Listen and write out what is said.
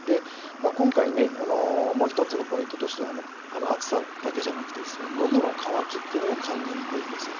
今回もう１つのポイントとしては暑さだけじゃなくてのどの渇きというのも感じにくいんです。